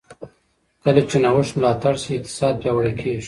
کله چې نوښت ملاتړ شي، اقتصاد پیاوړی کېږي.